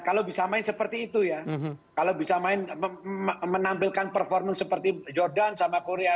kalau bisa main seperti itu ya kalau bisa main menampilkan performance seperti jordan sama korea